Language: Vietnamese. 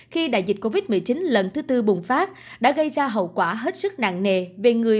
khi đại dịch covid một mươi chín lần thứ tư bùng phát đã gây ra hậu quả hết sức nặng nề về người